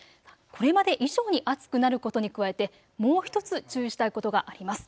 これまで以上に暑くなることに加えて、もう１つ注意したいことがあります。